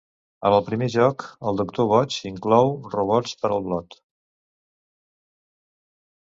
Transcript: En el primer joc, el Doctor Boig inclou robots per al Blot.